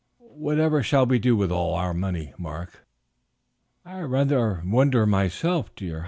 "Whatever shall we do with all our money, Mark?" "I rather wonder myself, dear.